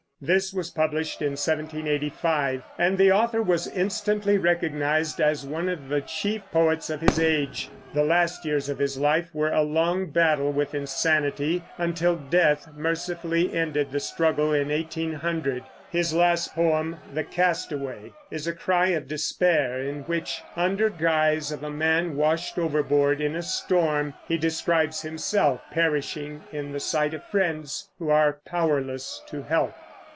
This was published in 1785, and the author was instantly recognized as one of the chief poets of his age. The last years of his life were a long battle with insanity, until death mercifully ended the struggle in 1800. His last poem, "The Castaway," is a cry of despair, in which, under guise of a man washed overboard in a storm, he describes himself perishing in the sight of friends who are powerless to help.